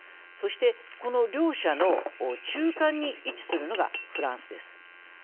そしてこの両者の中間に位置するのがフランスです。